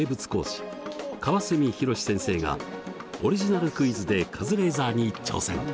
川角博先生がオリジナルクイズでカズレーザーに挑戦！